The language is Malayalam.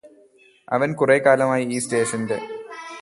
അവന് കുറേക്കാലമായി ഈ സ്റ്റേഷന്റെ